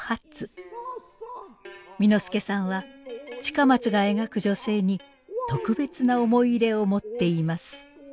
簑助さんは近松が描く女性に特別な思い入れを持っています。